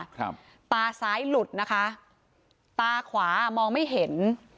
ครับตาซ้ายหลุดนะคะตาขวามองไม่เห็น